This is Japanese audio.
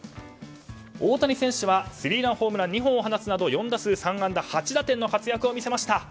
大谷選手はスリーランホームランを２本を放つなど４打数３安打８打点の活躍を見せました。